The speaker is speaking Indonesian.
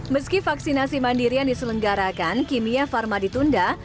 meski vaksinasi mandirian diselenggarakan kimia pharma ditunda